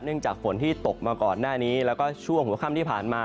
จากฝนที่ตกมาก่อนหน้านี้แล้วก็ช่วงหัวค่ำที่ผ่านมา